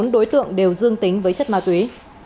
một mươi bốn đối tượng đều dương tính với chất ma túy